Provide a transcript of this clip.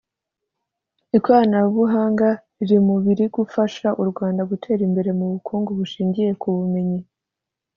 Ikoranabuhanga riri mu biri gufasha u Rwanda gutera imbere mu bukungu bushingiye ku bumenyi